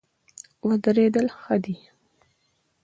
ودرېدل ښه دی.